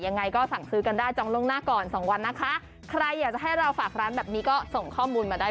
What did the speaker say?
ยังไงก็อุ่น